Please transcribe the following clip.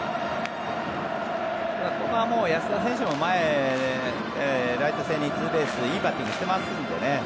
ここは安田選手もライト線にツーベースいいバッティングをしていますのでね